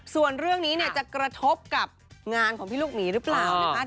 ส่วนเรื่องนี้เนี่ยจะกระทบกับงานของพี่ลูกหมีหรือเปล่านะคะ